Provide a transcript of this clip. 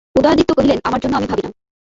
উদয়াদিত্য কহিলেন, আমার জন্য আমি ভাবি না।